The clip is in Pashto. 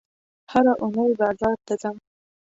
هره اونۍ بازار ته ځم